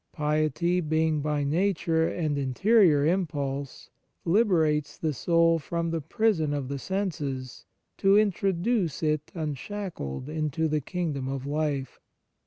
Piety, being by nature an interior impulse, liberates the soul from the prison of the senses, to intro duce it unshackled into the kingdom of life.